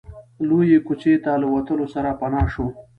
لويې کوڅې ته له وتلو سره پناه شو.